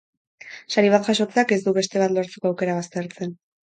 Sari bat jasotzeak ez du beste bat lortzeko aukera baztertzen.